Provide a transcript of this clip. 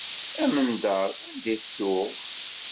Amendeṛ anda i tuɣ.